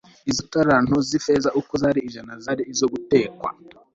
izo talanto z'ifeza uko ari ijana zari izo gutekwa